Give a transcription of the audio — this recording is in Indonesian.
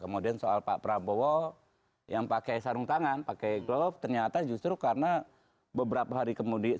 kemudian soal pak prabowo yang pakai sarung tangan pakai glove ternyata justru karena beberapa hari kemudian